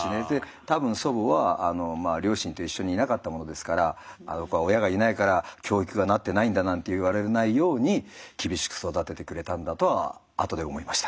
多分祖母は両親と一緒にいなかったものですからあの子は親がいないから教育がなってないんだなんて言われないように厳しく育ててくれたんだとは後で思いました。